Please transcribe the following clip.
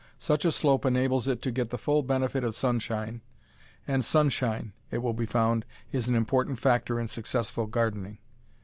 Such a slope enables it to get the full benefit of sunshine, and sunshine, it will be found, is an important factor in successful gardening.